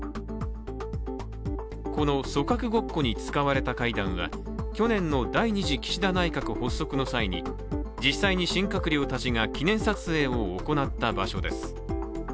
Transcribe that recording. この組閣ごっこに使われた階段は去年の第２次岸田内閣発足の際に実際に新閣僚たちが記念撮影を行った場所です。